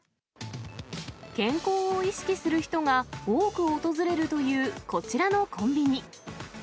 健康を意識する人が多く訪れるというこちらのコンビニ。